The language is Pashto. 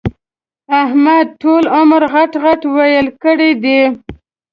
احمد ټول عمر غټ ِغټ ويل کړي دي.